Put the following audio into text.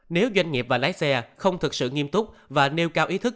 nếu doanh nghiệp và lái xe không thực sự nghiêm túc và nêu cao ý thức